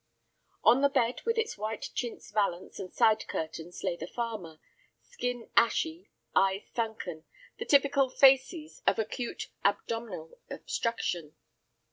On the bed with its white chintz valance and side curtains lay the farmer, skin ashy, eyes sunken, the typical facies of acute abdominal obstruction.